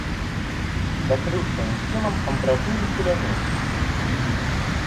Закрыў сваім целам амбразуру кулямёта.